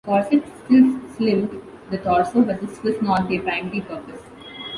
Corsets still slimmed the torso but this was not their primary purpose.